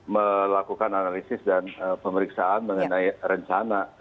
melakukan analisis dan pemeriksaan mengenai rencana